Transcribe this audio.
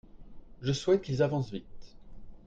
Je souhaite qu’ils avancent vite.